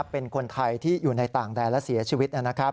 เป็นคนไทยที่อยู่ในต่างแดนและเสียชีวิต